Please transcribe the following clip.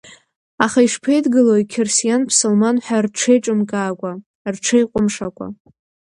Аха ишԥеидгылои, қьырсиан ԥсылман ҳәа рҽеиҿымкаакәа, рҽеиҟәымшакәа?!